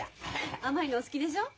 甘いのお好きでしょ？